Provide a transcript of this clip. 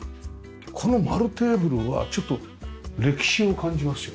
この丸テーブルはちょっと歴史を感じますよ。